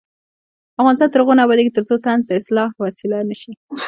افغانستان تر هغو نه ابادیږي، ترڅو طنز د اصلاح وسیله نشي.